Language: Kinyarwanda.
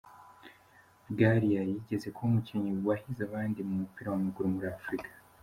Bwalya yigeze kuba umukinnyi wahize abandi mu mupira w'amaguru muri Afurika.